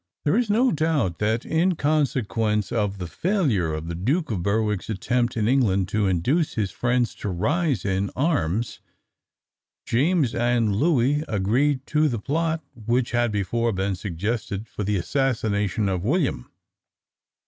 There is no doubt, that in consequence of the failure of the Duke of Berwick's attempt in England to induce his friends to rise in arms, James and Louis agreed to the plot which had before been suggested for the assassination of William.